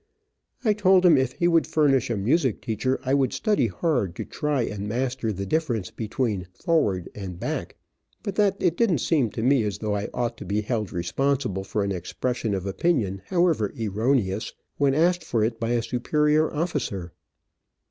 I told him if he would furnish a music teacher, I would study hard to try and master the difference between "forward and back," but that it didn't seem to me as though I ought to be held responsible for an expression of opinion, however erroneous, when asked for it by a superior officer.